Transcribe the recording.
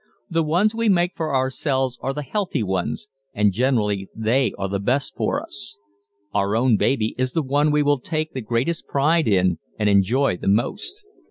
The ones we make for ourselves are the healthy ones, and generally they are the best for us. "Our own baby" is the one we will take the greatest pride in and enjoy the most.